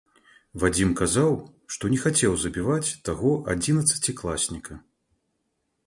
Вадзім казаў, што не хацеў забіваць таго адзінаццацікласніка.